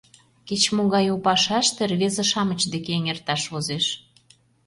Кеч-могай у пашаште рвезе-шамыч деке эҥерташ возеш.